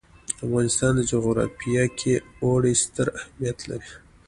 د افغانستان جغرافیه کې اوړي ستر اهمیت لري.